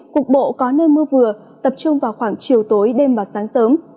cục bộ có nơi mưa vừa tập trung vào khoảng chiều tối đêm và sáng sớm